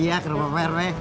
iya ke rumah pak herwe